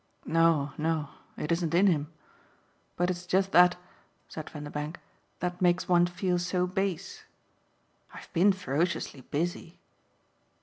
"No, no it isn't in him. But it's just that," said Vanderbank, "that makes one feel so base. I've been ferociously busy."